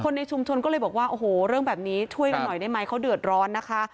ในชุมชนก็เลยบอกว่าโอ้โหเรื่องแบบนี้ช่วยกันหน่อยได้ไหมเขาเดือดร้อนนะคะ